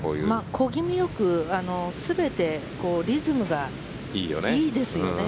小気味よく全てリズムがいいですよね。